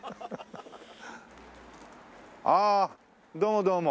ああどうもどうも。